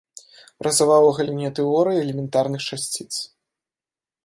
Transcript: Працаваў у галіне тэорыі элементарных часціц.